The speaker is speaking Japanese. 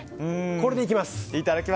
これでいきます！